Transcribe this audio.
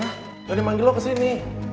tidak dimanggil lu ke sini